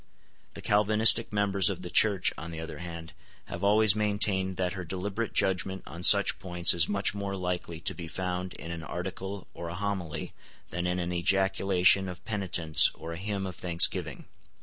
The Calvinistic members of the Church, on the other hand, have always maintained that her deliberate judgment on such points is much more likely to be found in an Article or a Homily than in an ejaculation of penitence or a hymn of thanksgiving.